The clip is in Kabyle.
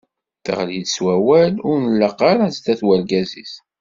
Teɣli-d s wawal ur nlaq ara sdat urgaz-is.